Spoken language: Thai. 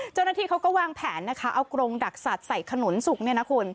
เจ้าหน้าที่เขาก็วางแผนเอากรงดักสัตว์ใส่ขนุนสุก